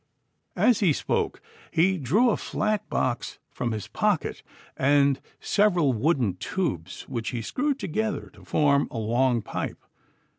As he spoke he drew a flat box from his pocket, and several wooden tubes, which he screwed together to form a long pipe.